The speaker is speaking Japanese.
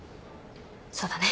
そうだね。